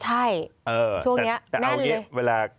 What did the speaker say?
ใช่ช่วงนี้แน่นเลย